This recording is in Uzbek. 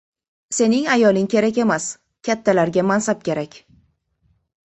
Sening ayoling kerak emas! Kattalarga mansab kerak!